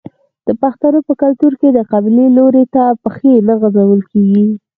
د پښتنو په کلتور کې د قبلې لوري ته پښې نه غځول کیږي.